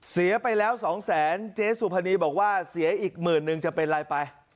เสียไปแล้วสองแสนเจ๊สุพนีบอกว่าเสียอีกหมื่นนึงจะเป็นไรไป